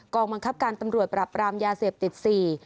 บังคับการตำรวจปรับรามยาเสพติดสี่